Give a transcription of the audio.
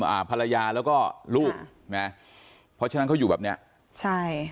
อ่าภรรยาแล้วก็ลูกนะเพราะฉะนั้นเขาอยู่แบบเนี้ยใช่